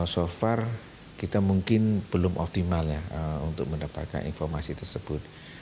so far kita mungkin belum optimal ya untuk mendapatkan informasi tersebut